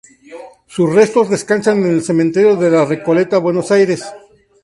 Sus restos descansan en el Cementerio de la Recoleta Buenos Aires